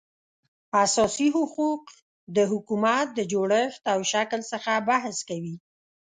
اساسي حقوق د حکومت د جوړښت او شکل څخه بحث کوي